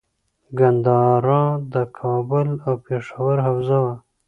ګندهارا د کابل او پیښور حوزه وه